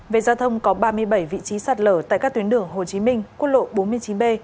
về giao thông có ba mươi bảy vị trí sạt lở tại các tuyến đường hồ chí minh quốc lộ bốn mươi chín b